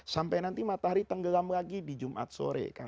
sampai nanti matahari tenggelam lagi di jumat sore